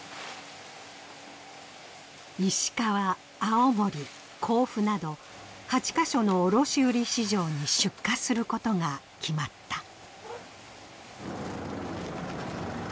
石川、青森、甲府など８カ所の卸売市場に出荷することが決まった。